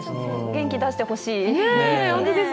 元気出してほしい。